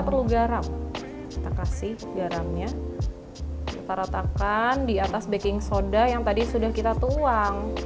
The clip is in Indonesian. perlu garam kita kasih garamnya kita ratakan di atas baking soda yang tadi sudah kita tuang